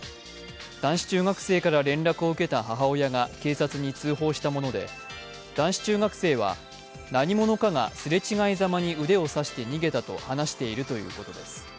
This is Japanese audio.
男子中学生から連絡を受けた母親が警察に通報したもので男子中学生は何者かがすれ違いざまに腕を刺して逃げたと話しているということです。